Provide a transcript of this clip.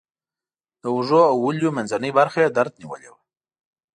د اوږو او ولیو منځنۍ برخه یې درد نیولې وه.